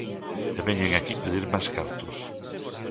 E veñen aquí pedir máis cartos.